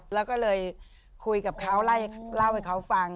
แล้วก็เลยคุยกับเขาเล่าให้เขาฟัง